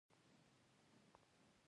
اکسیجن د زړه په حجراتو کې کمیږي.